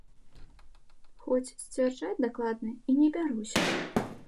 Хоць сцвярджаць дакладна і не бяруся.